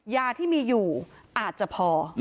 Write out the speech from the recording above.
ยาที่มีอยู่อาจจะพอ